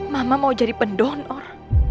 mama mau jadi pendonor